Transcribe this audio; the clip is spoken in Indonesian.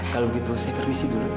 kalau gitu saya permisi dulu